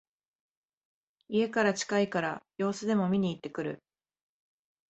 家から近いから様子でも見にいってくる